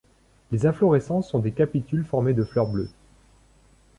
Les inflorescences sont des capitules formés de fleurs bleues.